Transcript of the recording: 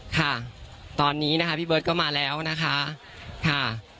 ค่ะตอนนี้นะคะพี่เบิร์ตก็มาแล้วนะคะค่ะ